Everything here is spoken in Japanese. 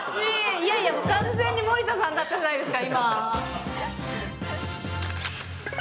いやいや、完全に森田さんだったじゃないですか、今。